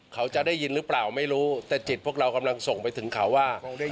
เขาจะได้ยินหรือเปล่าไม่รู้แต่จิตพวกเรากำลังส่งไปถึงเขาว่า